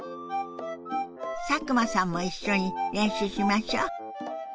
佐久間さんも一緒に練習しましょ。